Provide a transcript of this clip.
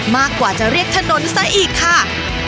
มากกว่าจะเรียกถนนซะอีกค่ะ